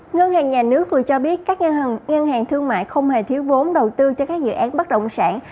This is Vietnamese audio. ngân hàng nhà nước vừa cho biết các ngân hàng thương mại không hề thiếu vốn đầu tư cho các dự án bất động sản